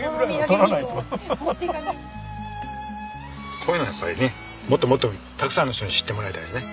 こういうのをやっぱりねもっともっとたくさんの人に知ってもらいたいですね。